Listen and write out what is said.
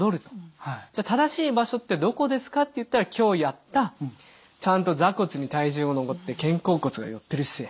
じゃあ正しい場所ってどこですかっていったら今日やったちゃんと座骨に体重を乗せて肩甲骨が寄ってる姿勢。